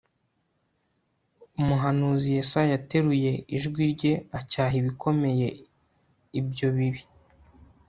umuhanuzi yesaya yateruye ijwi rye acyaha bikomeye ibyo bibi